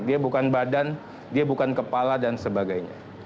dia bukan badan dia bukan kepala dan sebagainya